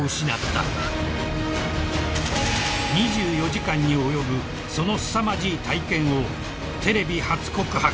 ［２４時間に及ぶそのすさまじい体験をテレビ初告白］